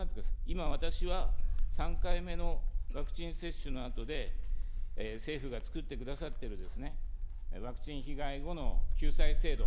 今、私は、３回目のワクチン接種のあとで、政府が作ってくださってるワクチン被害後の救済制度、